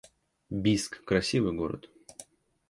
Бийск — красивый город